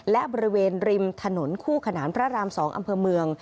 และบริเวณริมถนนคู่ขนานพระราม๒อำเภอเมือง